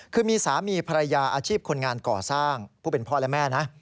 คือมีสามีภรรยาอาชีพคนงานก่อสร้างผู้เป็นพ่อและแม่นะ